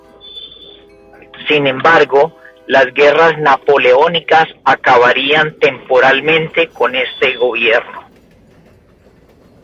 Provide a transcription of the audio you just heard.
Sin embargo, las Guerras napoleónicas acabarían temporalmente con este gobierno.